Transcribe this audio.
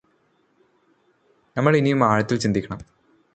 നമ്മള് ഇനിയും ആഴത്തില് ചിന്തിക്കണം